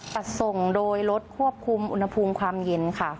จัดส่งโดยรถควบคุมอุณหภูมิความเย็นค่ะ